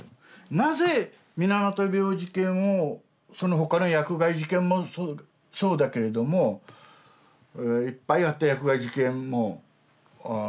なぜ水俣病事件をその他の薬害事件もそうだけれどもいっぱいあった薬害事件も。